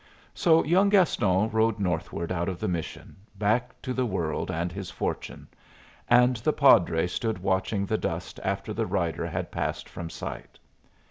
So young Gaston rode northward out of the mission, back to the world and his fortune; and the padre stood watching the dust after the rider had passed from sight.